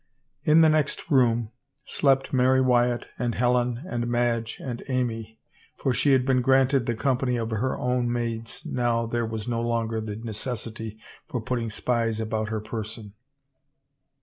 In the next room slept Mary Wyatt and Helen and Madge and Amy, for she had been granted the com pany of her own maids now there was no longer the ne cessity for putting spies about her person.